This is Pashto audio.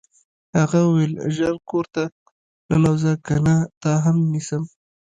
هغه وویل ژر کور ته ننوځه کنه تا هم نیسم